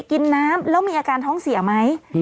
กินน้ำแล้วมีอาการท้องเสียไหม